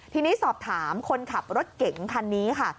ทีนี้สอบถามคนขับรถเก่งคันนี้ค่ะ